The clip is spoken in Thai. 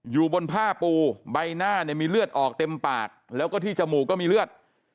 อยู่บนผ้าปูใบหน้าเนี่ยมีเลือดออกเต็มปากแล้วก็ที่จมูกก็มีเลือด